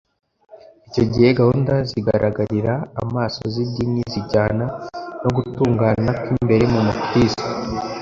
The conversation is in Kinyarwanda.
icyo gihe gahunda zigaragarira amaso z’idini zijyana no gutungana kw’imbere mu mukristo